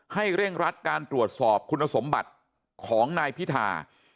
เร่งรัดการตรวจสอบคุณสมบัติของนายพิธา